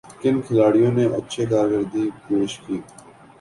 کن کھلاڑیوں نے اچھی کارکردگی پیش کی